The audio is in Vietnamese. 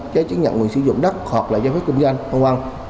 giấy chứng nhận nguồn sử dụng đắt hoặc là giấy phép công dân v v